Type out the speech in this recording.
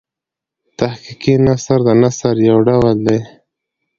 تحقیقي نثر د نثر یو ډول دﺉ.